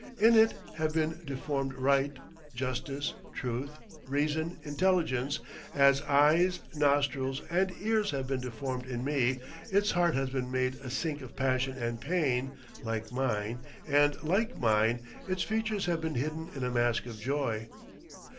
In it have been deformed right, justice, truth, reason, intelligence, as eyes, nostrils, and ears have been deformed in me; its heart has been made a sink of passion and pain, like mine, and, like mine, its features have been hidden in a mask of joy.